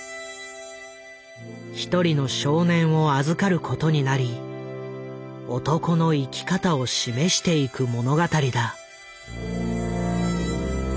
一人の少年を預かることになり男の生き方を示していく物語だ。